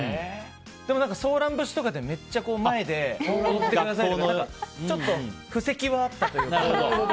でも、ソーラン節とかでめっちゃ前で踊っていたりとかちょっと布石はあったというか。